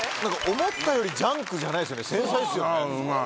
思ったよりジャンクじゃないですよね繊細っすよね。